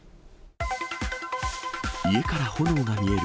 家から炎が見える。